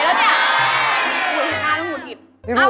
กลัวทุกท่านกลัวหงุดหิด